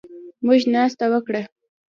موږ ناسته وکړه